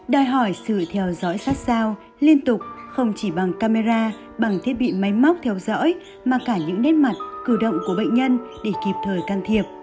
đòi hỏi sự theo dõi sát sao liên tục không chỉ bằng camera bằng thiết bị máy móc theo dõi mà cả những nếp mặt cử động của bệnh nhân để kịp thời can thiệp